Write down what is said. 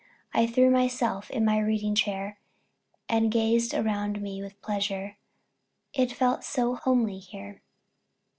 I threw myself in my reading chair, and gazed around me with pleasure. I felt it so homely here.